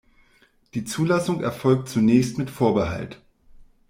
Die Zulassung erfolgt zunächst mit Vorbehalt.